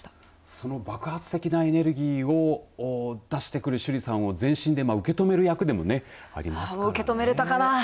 その爆発的なエネルギーを出してくる趣里さんを全身で受け止める役でもあります。